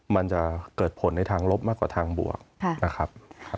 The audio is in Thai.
มันจะเกิดผลในทางลบมากกว่าทางบวกนะครับ